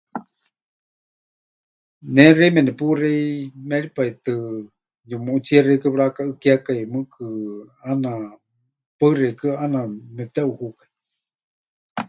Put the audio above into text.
Ne xeíme nepuxei méripai tɨ, yumuʼutsíe xeikɨ́a pɨrakaʼɨɨkékai mɨɨkɨ ʼaana, paɨ xeikɨ́a ʼaana mepɨteʼuhukai.